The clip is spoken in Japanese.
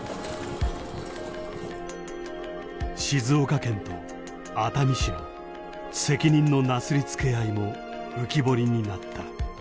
静岡県と熱海市の責任のなすりつけ合いも浮き彫りになった。